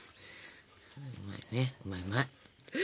うまいねうまいうまい。